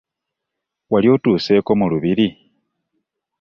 Wali otuseeko mu lubiri?